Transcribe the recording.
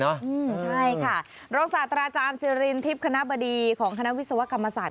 ใช่ค่ะรองศาสตราอาจารย์สิรินทิพย์คณะบดีของคณะวิศวกรรมศาสต